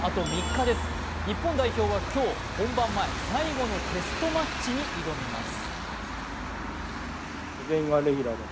日本代表は今日、本番前、最後のテストマッチに挑みます。